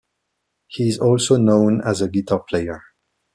He is also known as a guitar player.